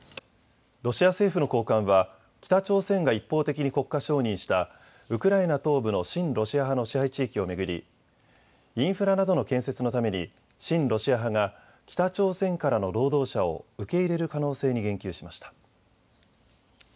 ロシア政府の高官は北朝鮮が一方的に国家承認したウクライナ東部の親ロシア派の支配地域を巡りインフラなどの建設のために親ロシア派が北朝鮮からの労働者を受け入れる可能性に言及しました。